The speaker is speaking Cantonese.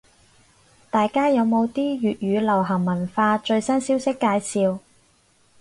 大家有冇啲粵語流行文化最新消息介紹？